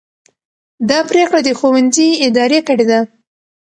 دا پرېکړه د ښوونځي ادارې کړې ده.